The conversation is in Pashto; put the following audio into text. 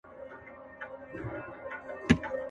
موټر د یوې زړې ونې تر سیوري لاندې له لمره پناه و.